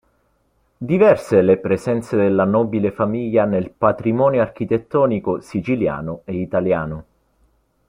Diverse le presenze della nobile famiglia nel patrimonio architettonico siciliano e italiano.